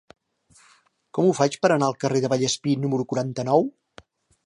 Com ho faig per anar al carrer de Vallespir número quaranta-nou?